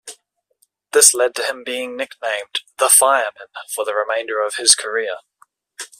This led to him being nicknamed 'The Fireman' for the remainder of his career.